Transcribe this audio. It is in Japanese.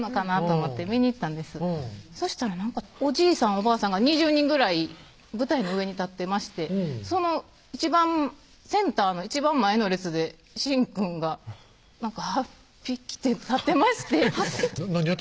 したらおじいさん・おばあさんが２０人ぐらい舞台の上に立ってましてその一番センターの一番前の列で慎くんがはっぴ着て立ってまして何やってたの？